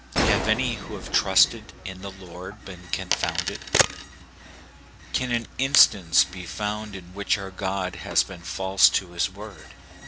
Have any who have trusted in the Lord been confounded ? Can an instance be found in which our God has been false to his word